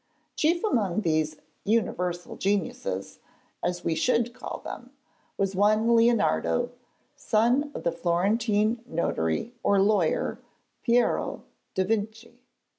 Chief among these 'Universal Geniuses,' as we should call them, was one Leonardo, son of the Florentine notary or lawyer, Piero da Vinci.